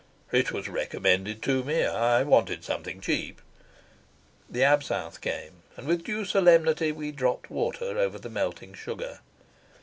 "It was recommended to me. I wanted something cheap." The absinthe came, and with due solemnity we dropped water over the melting sugar.